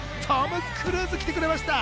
トム・クルーズが来てくれました。